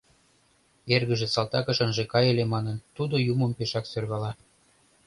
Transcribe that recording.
Эргыже салтакыш ынже кай ыле манын, тудо юмым пешак сӧрвала.